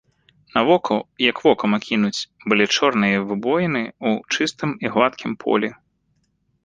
Навокал, як вокам акінуць, былі чорныя выбоіны ў чыстым і гладкім полі.